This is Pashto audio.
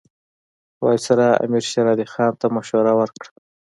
وایسرا امیر شېر علي خان ته مشوره ورکړه.